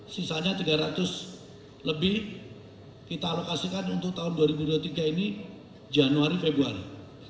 sisanya tiga ratus lebih kita alokasikan untuk tahun dua ribu dua puluh tiga ini januari februari